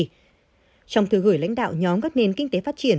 trong thư gửi lãnh đạo nhóm các nền kinh tế phát triển